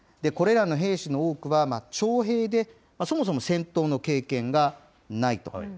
これらの兵士の多くは、徴兵でそもそも戦闘の経験がないと。